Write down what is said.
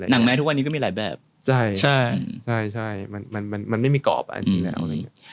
ฝั่งแม้ทุกวันนี้ก็มีหลายแบบใช่มันไม่มีกรอบอ่ะจริงแล้ว